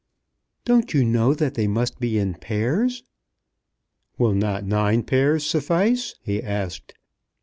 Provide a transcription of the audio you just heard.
"Don't you know that they must be in pairs?" "Will not nine pairs suffice?" he asked.